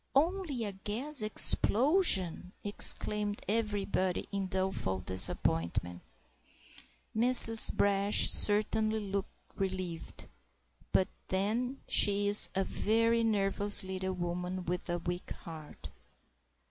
] "Only a gas explosion!" exclaimed everybody in doleful disappointment. Mrs. Brash certainly looked relieved; but then she is a very nervous little woman with a weak heart.